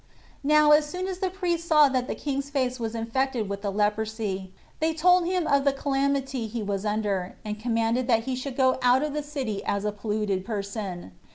Now, as soon as the priests saw that the king's face was infected with the leprosy, they told him of the calamity he was under, and commanded that he should go out of the city as a polluted person.